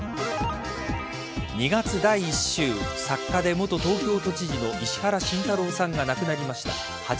２月第１週作家で元東京都知事の石原慎太郎さんが亡くなりました。